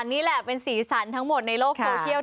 นี่แหละเป็นสีสันทั้งหมดในโลกโซเชียล